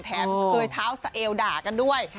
แถมเคยเท้าสะเอวด่ากันด้วย